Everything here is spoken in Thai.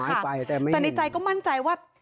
แต่ในใจก็มั่นใจว่า